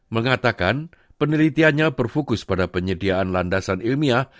mengatakan penelitiannya berfokus pada penyediaan landasan ilmiah